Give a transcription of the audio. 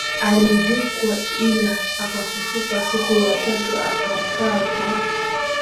alizikwa ila akafufuka siku ya tatu akapaa kwa